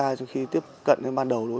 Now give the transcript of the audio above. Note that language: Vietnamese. bắt đầu với vụ án này